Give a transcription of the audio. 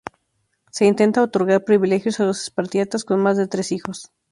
Se intenta otorgar privilegios a los espartiatas con más de tres hijos.